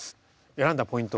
選んだポイントは？